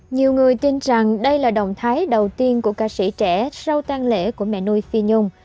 nhiều người tin rằng đây là động thái đầu tiên của ca sĩ trẻ sau tan lễ của mẹ nuôi phi nhung